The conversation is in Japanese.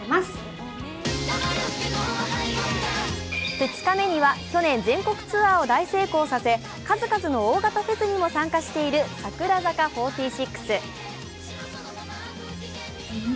２日目には去年、全国ツアーを大成功させ数々の大型フェスにも参加している櫻坂４６。